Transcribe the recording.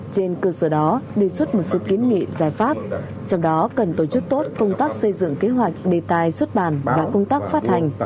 trên cơ sở đó đề xuất một số kiến nghị giải pháp trong đó cần tổ chức tốt công tác xây dựng kế hoạch đề tài xuất bản và công tác phát hành